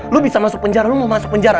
lo bisa masuk penjara lo mau masuk penjara